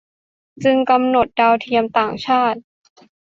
จึงกำหนดดาวเทียมต่างชาติ